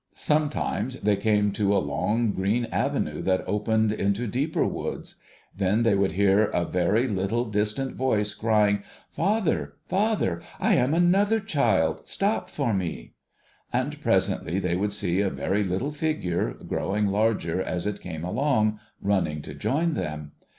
Sometimes, they came to a long green avenue that opened into deeper woods. Then they would hear a very little, distant voice crying, ' Father, father, I am another child ! Stop for me !' And presently they would see a very little figure, growing larger as it came along, running to join them.